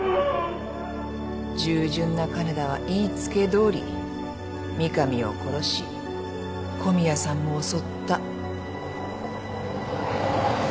従順な金田は言い付けどおり三上を殺し小宮さんも襲った。